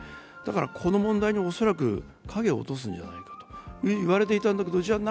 この問題に恐らく影を落とすんじゃないかと言われていたんだけどじゃあ